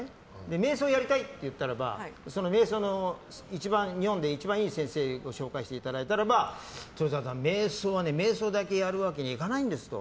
瞑想やりたいって言ったら瞑想の日本で一番いい先生を紹介していただいたらば鶴太郎さん瞑想は瞑想だけやるわけにはいかないんですと。